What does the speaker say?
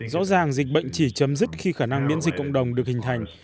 rõ ràng dịch bệnh chỉ chấm dứt khi khả năng miễn dịch cộng đồng được hình thành